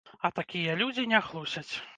А такія людзі не хлусяць.